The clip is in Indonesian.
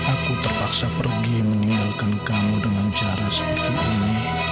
aku terpaksa pergi meninggalkan kamu dengan cara seperti ini